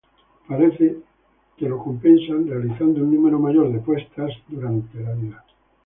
Parecería que ello lo compensan realizando un número mayor de puestas durante su vida.